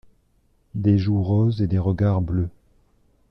Des joues roses et des regards bleus.